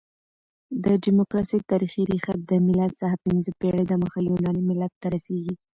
د ډیموکراسۍ تاریخي ریښه د مېلاد څخه پنځه پېړۍ دمخه يوناني ملت ته رسیږي.